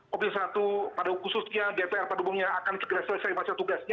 komisi satu pada khususnya dpr pada umumnya akan segera selesai masa tugasnya